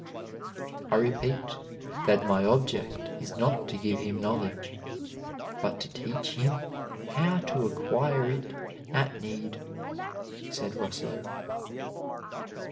"I repeat that my object is not to give him knowledge, but to teach him how to acquire it at need," said Rousseau.